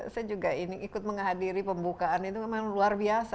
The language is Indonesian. saya juga ingin ikut menghadiri pembukaan itu memang luar biasa